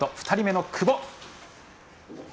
２人目の久保。